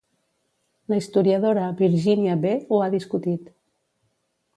La historiadora Virginia B ho ha discutit.